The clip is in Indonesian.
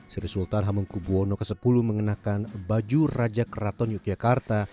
sri sultan hamengkubwono x mengenakan baju raja keraton yogyakarta